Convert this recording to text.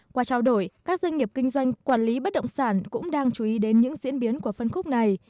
qua trao đổi các doanh nghiệp kinh doanh quản lý bất động sản cũng đang chú ý đến những diễn biến của phân khúc này